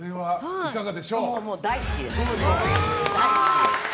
もう大好きです。